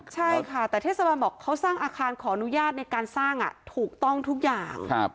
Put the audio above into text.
ใช่ค่ะแต่เทศบาลบอกเขาสร้างอาคารขออนุญาตในการสร้างถูกต้องทุกอย่าง